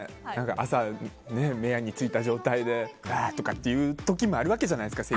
朝、目やにが付いた状態でわーっていう時もあるわけじゃないですか。